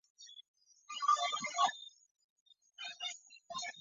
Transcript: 总部位于横滨市金泽区与相邻的车辆基地内。